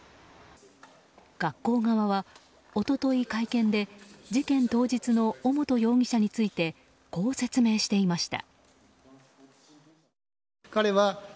学校側は一昨日、会見で事件当日の尾本容疑者についてこう説明していました。